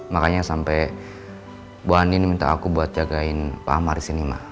makanya sampai bu andin minta aku buat jagain pak amar di sini ma